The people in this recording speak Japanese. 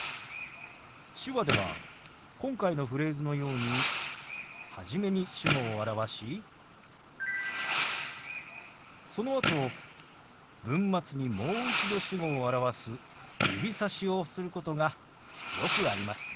手話では今回のフレーズのように初めに主語を表しそのあと文末にもう一度主語を表す指さしをすることがよくあります。